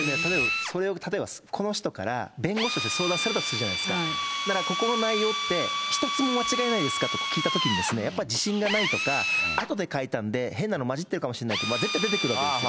それ、例えば、この人から弁護士として相談されたとするじゃないですか、ならここの内容って、一つも間違いないですかって聞いたときに、やっぱり自信がないとか、あとで書いたんで変なのまじってるかもしれないと、絶対出てくるわけですよ。